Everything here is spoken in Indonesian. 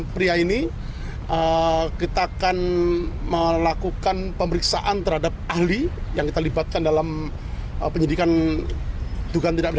pria ini kita akan melakukan pemeriksaan terhadap ahli yang terlibatkan dalam penyidikan tukang tidak